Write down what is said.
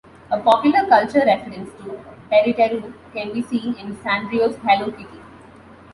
A popular culture reference to Teruteru can be seen in Sanrio's Hello Kitty.